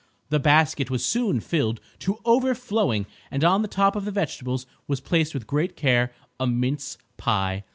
The basket was soon filled to overflowing and on the top of the vegetables was placed with great care a mince pie.